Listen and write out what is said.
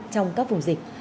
trong các vùng dịch